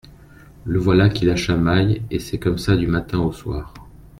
Le voilà qui la chamaille et c’est comme ça du matin au soir.